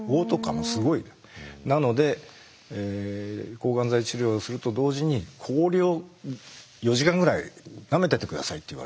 なので抗がん剤治療をすると同時に氷を４時間ぐらいなめてて下さいって言われた。